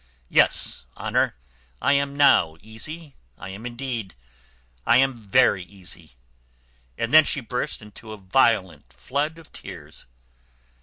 Yes, Honour, I am now easy; I am indeed; I am very easy;" and then she burst into a violent flood of tears.